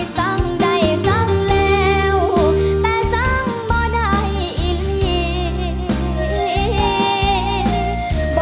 สังได้สังแล้วแต่สังบ่ได้อีก